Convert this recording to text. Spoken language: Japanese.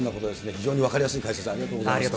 非常に分かりやすい解説、ありがありがとうございます。